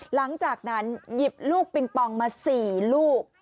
หลังจากนั้นหยิบลูกปิงปองมา๔ลูก